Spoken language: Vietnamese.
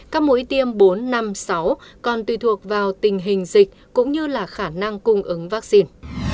các mũi tiêm bốn năm sáu còn tùy thuộc vào tình hình dịch cũng như là khả năng cung ứng vaccine